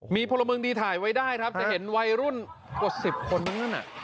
มีพลเมืองดีถ่ายไว้ได้ครับจะเห็นวัยรุ่นกว่า๑๐คนทั้งนั้น